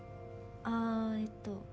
ああえっと